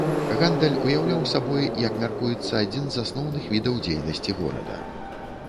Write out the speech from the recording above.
Гандаль уяўляў сабой, як мяркуецца, адзін з асноўных відаў дзейнасці горада.